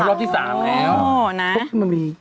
รอบที่๓เนี่ย